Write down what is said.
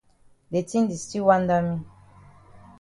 De tin di still wanda me.